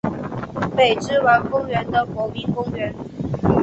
北之丸公园的国民公园。